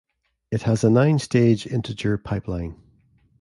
It has a nine-stage integer pipeline.